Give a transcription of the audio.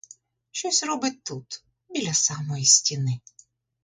Щось робить тут, біля самої стіни.